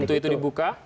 begitu pintu itu dibuka